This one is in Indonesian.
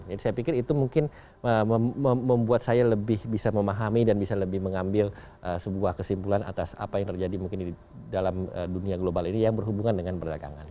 jadi saya pikir itu mungkin membuat saya lebih bisa memahami dan bisa lebih mengambil sebuah kesimpulan atas apa yang terjadi mungkin di dalam dunia global ini yang berhubungan dengan perdagangan